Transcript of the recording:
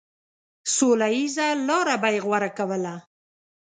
سوله ييزه لاره به يې غوره کوله.